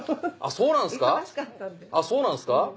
そうなんですか？